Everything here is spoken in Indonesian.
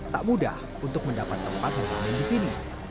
tak mudah untuk mendapat tempat bermain di sini